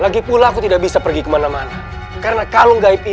lagipula aku tidak bisa pergi kemana mana karena kalau enggak oh iya